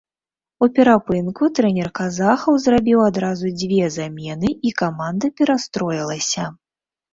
У перапынку трэнер казахаў зрабіў адразу дзве замены, і каманда перастроілася.